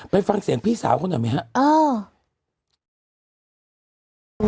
ไปฟังเสียงพี่สาวเขาหน่อยไหมครับ